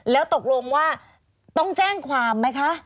แล้วตกลงว่าต้องแจ้งความไหมคะ